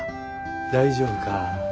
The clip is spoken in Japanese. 大丈夫か？